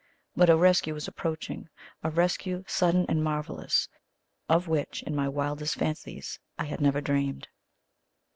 But a rescue was approaching; a rescue sudden and marvellous, of which, in my wildest fancies, I had never dreamed.